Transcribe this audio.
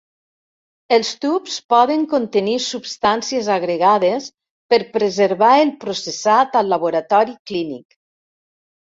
Els tubs poden contenir substàncies agregades per preservar el processat al laboratori clínic.